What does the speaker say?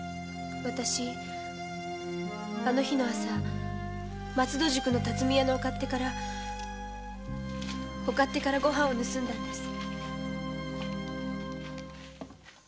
私あの日の朝松戸宿の辰見屋のお勝手からお勝手から御飯を盗んだんです。